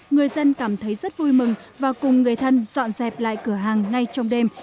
người dân cảm thấy rất vui mừng và cùng người thân dọn dẹp lại cửa hàng ngay trong đêm